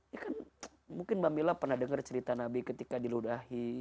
ya kan mungkin mba mila pernah dengar cerita nabi ketika di lodahi